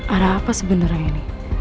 ada apa sebenernya nih